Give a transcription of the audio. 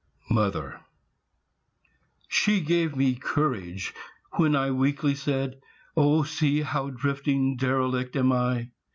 MOTHER She gave me courage when I weakly said, "O see how drifting, derelict, am I!